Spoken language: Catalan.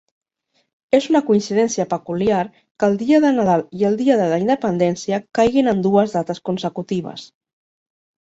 És una coincidència peculiar que el dia de Nadal i el dia de la Independència caiguin en dues dates consecutives.